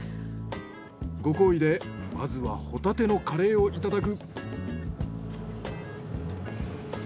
ご厚意でまずはホタテのカレーをいただく。